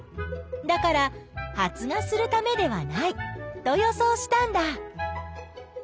だから発芽するためではないと予想したんだ。